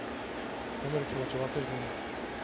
攻める気持ちを忘れずに。